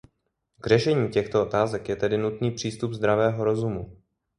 K řešení těchto otázek je tedy nutný přístup zdravého rozumu.